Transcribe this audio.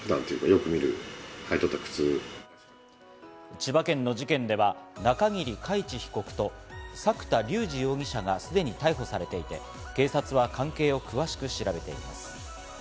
千葉県の事件では、中桐海知被告と作田竜二容疑者がすでに逮捕されていて、警察は関係を詳しく調べています。